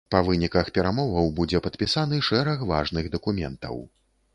Па выніках перамоваў будзе падпісаны шэраг важных дакументаў.